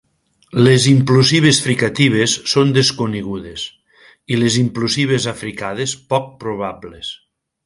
Les implosives fricatives són desconegudes, i les implosives africades poc probables.